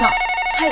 はい。